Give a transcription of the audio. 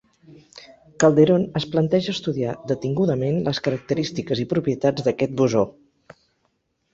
Calderón es planteja estudiar detingudament les característiques i propietats d'aquest bosó.